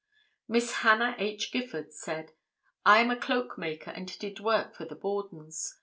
Mrs. Hannah H. Gifford said: "I am a cloak maker and did work for the Bordens.